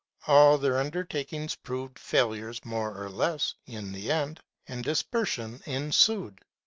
All their undertakings proved failures, more or less, in the end, and dispersion ensued.